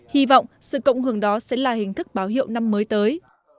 hy vọng sự cộng hưởng đó sẽ là hình thức báo hiệu năm mới tới